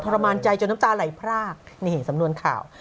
รมานใจจนน้ำตาไหลพรากนี่เห็นสำนวนข่าว